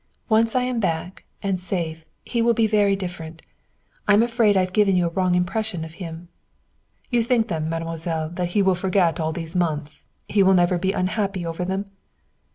Once I am back, and safe, he will be very different. I'm afraid I've given you a wrong impression of him." "You think then, mademoiselle, that he will forget all these months he will never be unhappy over them?"